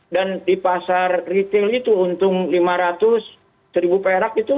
dan di pasar retail itu untung lima ratus ribu perak itu